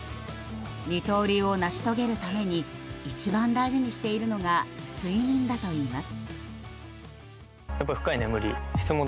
二刀流を成し遂げるために一番大事にしているのが睡眠だといいます。